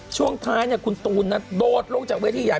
ช่วงท้ายคุณตูนโดดลงจากเวทีใหญ่